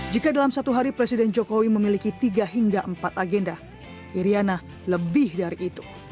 jika dalam satu hari presiden jokowi memiliki tiga hingga empat agenda iryana lebih dari itu